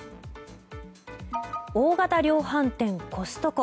大型量販店コストコ。